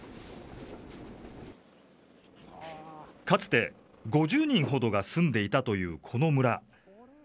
かつて、５０人ほどが住んでいたというこの村。